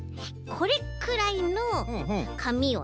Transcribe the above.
これくらいのかみをね